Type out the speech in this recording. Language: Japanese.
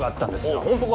お本当か。